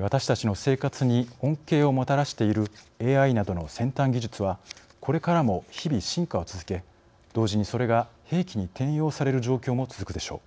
私たちの生活に恩恵をもたらしているＡＩなどの先端技術はこれからも日々進化を続け同時にそれが兵器に転用される状況も続くでしょう。